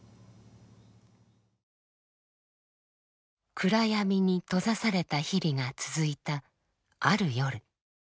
暗闇に閉ざされた日々が続いたある夜。